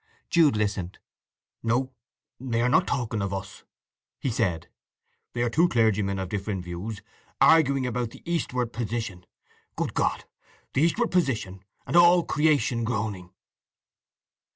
'" Jude listened—"No—they are not talking of us," he said. "They are two clergymen of different views, arguing about the eastward position. Good God—the eastward position, and all creation groaning!"